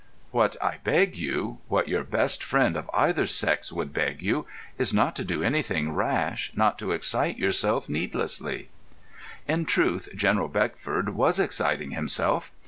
What I beg you—what your best friend of either sex would beg you—is not to do anything rash, not to excite yourself needlessly." In truth, General Beckford was exciting himself.